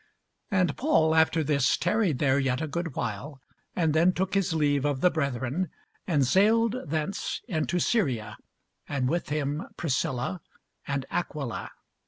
And Paul after this tarried there yet a good while, and then took his leave of the brethren, and sailed thence into Syria, and with him Priscilla and Aquila.